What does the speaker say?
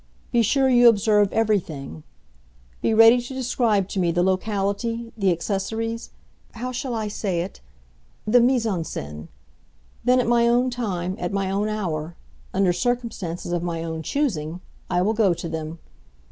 Be sure you observe everything; be ready to describe to me the locality, the accessories—how shall I say it?—the mise en scène. Then, at my own time, at my own hour, under circumstances of my own choosing, I will go to them.